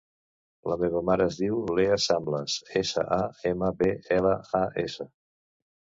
La meva mare es diu Leah Samblas: essa, a, ema, be, ela, a, essa.